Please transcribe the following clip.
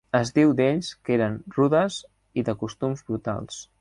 Es diu d'ells que eren rudes i de costums brutals.